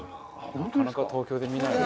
なかなか東京で見ないよね。